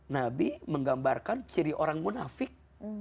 nabi menggambarkan ciri orang munafik